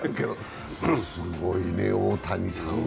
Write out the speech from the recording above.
すごいね、大谷さんは。